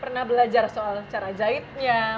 pernah belajar soal cara jahitnya